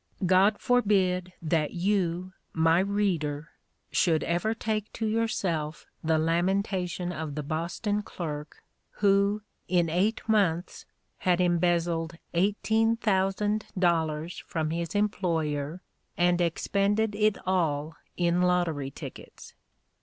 God forbid that you, my reader, should ever take to yourself the lamentation of the Boston clerk, who, in eight months, had embezzled eighteen thousand dollars from his employer and expended it all in lottery tickets.